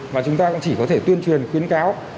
mà chúng ta cũng chỉ có thể tuyên truyền khuyến cáo